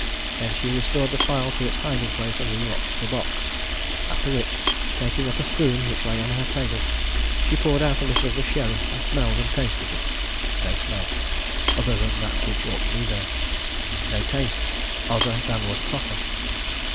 Then she restored the phial to its hiding place and re locked the box after which, taking up a spoon which lay on her table, she poured out a little of the sherry and smelled and tasted it. No smell other than that which ought to be there; no taste other than was proper.